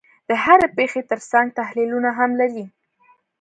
د هرې پېښې ترڅنګ تحلیلونه هم لري.